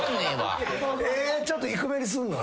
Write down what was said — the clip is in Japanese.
えっちょっと低めにすんの？